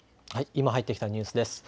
今入ってきたニュースです。